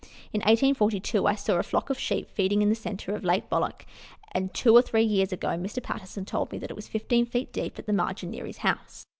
In 1842 I saw a flock of sheep feeding in the centre of Lake Bolac, and, two or three years ago, Mr. Patterson told me that it was 15 feet deep at the margin near his house.